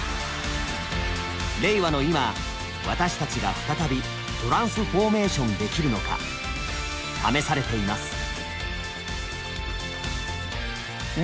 令和の今私たちが再びトランスフォーメーションできるのか試されています。